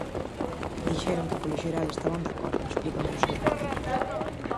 Dixeron que polo xeral estaban de acordo, explica un dos seus voceiros.